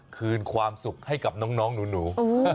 คืนความสุขให้กับน้องหนู